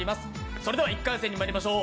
それでは１回戦にまいりましょう。